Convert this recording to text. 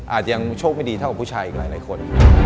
อาจจะยังโชคไม่ดีเท่ากับผู้ชายอีกหลายคน